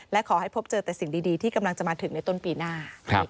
และขอให้พบเจอแต่สิ่งดีที่กำลังจะมาถึงในต้นปีหน้า